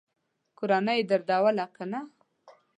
کورنۍ یې درلودله که نه ؟